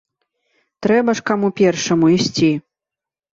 Трэба ж каму першаму ісці.